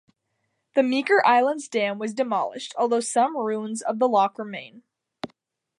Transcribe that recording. The Meeker Island dam was demolished, although some ruins of the lock remain.